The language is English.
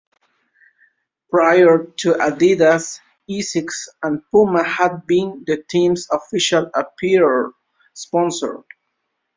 Prior to Adidas, Asics and Puma had been the team's official apparel sponsor.